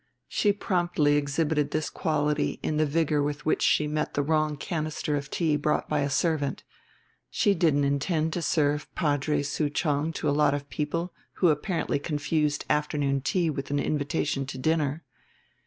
She promptly exhibited this quality in the vigor with which she met the wrong canister of tea brought by a servant. She didn't intend to serve Padre Souchong to a lot of people who apparently confused afternoon tea with an invitation to dinner.